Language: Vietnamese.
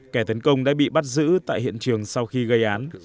kẻ tấn công đã bị bắt giữ tại hiện trường sau khi gây án